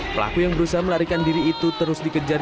pelaku yang berusaha melarikan diri itu terus dikejar